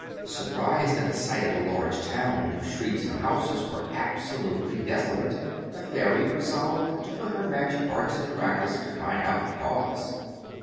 Surprised at the sight of a large town whose streets and houses were absolutely desolate, the fairy resolved to put her magic arts in practice to find out the cause.